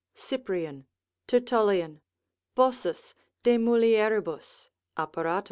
Cyprian, Tertullian, Bossus de mulier. apparat.